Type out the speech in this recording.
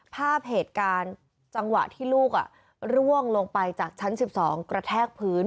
ภาพเหตุการณ์จังหวะที่ลูกร่วงลงไปจากชั้น๑๒กระแทกพื้น